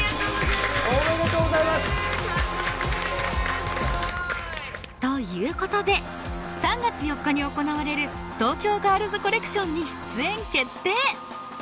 おめでとうございます！という事で３月４日に行われる東京ガールズコレクションに出演決定！